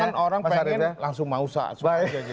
jangan orang pengen langsung mausak